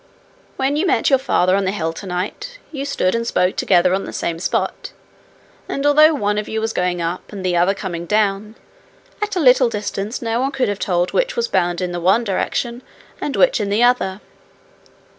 When you met your father on the hill tonight, you stood and spoke together on the same spot; and although one of you was going up and the other coming down, at a little distance no one could have told which was bound in the one direction and which in the other.